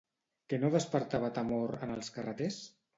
Què no despertava temor en els carreters?